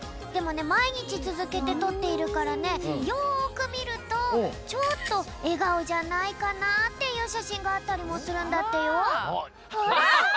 でもねまいにちつづけてとっているからねよくみるとちょっとえがおじゃないかなっていう写真があったりもするんだってよ。